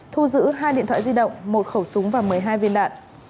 thu giữ hai điện thoại di động một khẩu súng và một mươi hai viên đạn